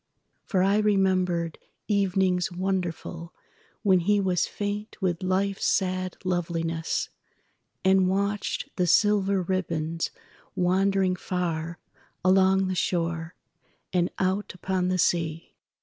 For I remembered evenings wonderfulWhen he was faint with Life's sad loveliness, And watched the silver ribbons wandering farAlong the shore, and out upon the sea.